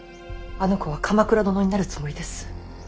あの子は鎌倉殿になるつもりです。